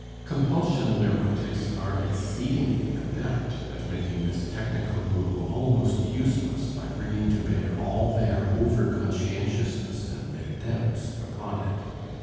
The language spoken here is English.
Compulsion neurotics are exceedingly adept at making this technical rule almost useless by bringing to bear all their over conscientiousness and their doubts upon it.